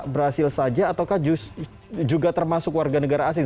brazil saja ataukah juga termasuk warga negara asing